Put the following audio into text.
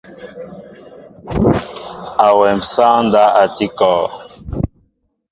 Awém sááŋ ndáw a tí kɔɔ.